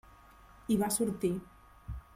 I va sortir.